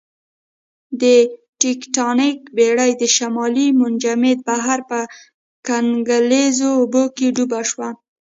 د ټیټانیک بېړۍ د شمالي منجمند بحر په کنګلیزو اوبو کې ډوبه شوه